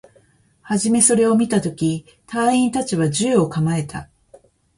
はじめそれを見たとき、隊員達は銃を構えた